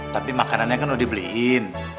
tapi makanannya kan udah dibeliin